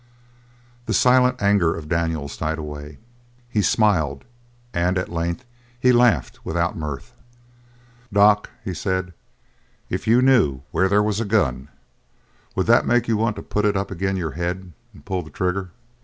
The silent anger of Daniels died away. He smiled, and at length he laughed without mirth. "Doc," he said, "if you knew where there was a gun, would that make you want to put it up agin your head and pull the trigger?"